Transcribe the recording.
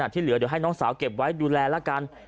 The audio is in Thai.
ที่เหลือเดี๋ยวให้น้องสาวเก็บไว้ดูแลละกัน